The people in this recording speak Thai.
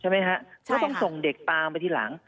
ใช่ไหมฮะต้องส่งเด็กตามไปที่หลัง